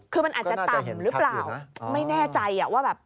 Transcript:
คือมันอาจจะต่ำหรือเปล่าไม่แน่ใจว่าแบบ